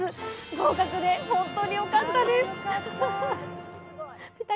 合格で本当によかったです